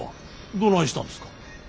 どないしたんですか？